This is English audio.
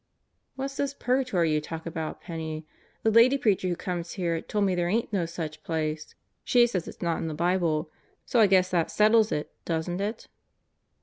"What's this Purgatory you talk about, Penney? The lady preacher who comes here told me there ain't no such place. She says it's not in the Bible. So, I guess that settles it, doesn't it?"